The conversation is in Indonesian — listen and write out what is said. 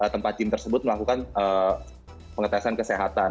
tempat gym tersebut melakukan pengetesan kesehatan